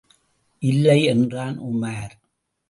இல்லை. என்றான் உமார்.